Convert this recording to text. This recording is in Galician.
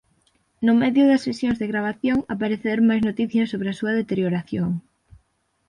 No medio das sesións de gravación apareceron máis noticias sobre a súa deterioración.